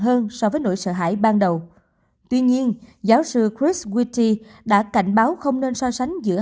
hơn so với nỗi sợ hãi ban đầu tuy nhiên giáo sư christ wity đã cảnh báo không nên so sánh giữa